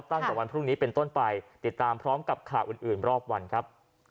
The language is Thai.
ตั้งแต่วันพรุ่งนี้เป็นต้นไปติดตามพร้อมกับข่าวอื่นอื่นรอบวันครับ